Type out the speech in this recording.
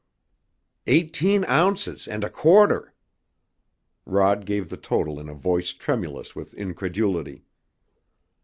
"Eighteen ounces and a quarter!" Rod gave the total in a voice tremulous with incredulity.